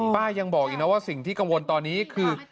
ป้ายังบอกอีกนะว่าสิ่งที่กังวลตอนนี้คือ